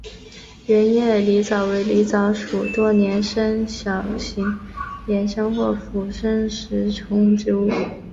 圆叶狸藻为狸藻属多年生小型岩生或附生食虫植物。